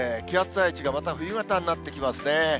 気圧配置がまた冬型になってきますね。